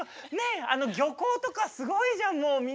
漁港とかすごいじゃんもうみんな。